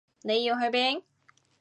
你要去邊？